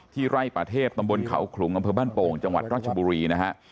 ไร่ป่าเทพตำบลเขาขลุงอำเภอบ้านโป่งจังหวัดราชบุรีนะฮะ